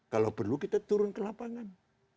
kalau perlu kita turun ke lapangan